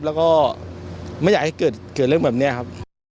แล้วก็ไม่อยากให้เกิดเรื่องแบบนี้ครับ